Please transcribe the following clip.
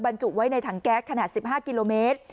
จุไว้ในถังแก๊สขนาด๑๕กิโลเมตร